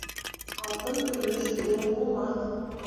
Алтын-көмөш ҙур булмаҫ.